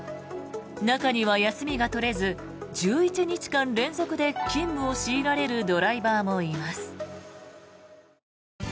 中には休みが取れず１１日間連続で勤務を強いられるドライバーもいます。